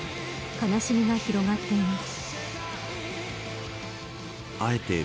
悲しみが広がっています。